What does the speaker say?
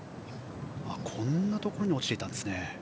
あんなところに落ちていたんですね。